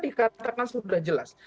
di mana sudah jelas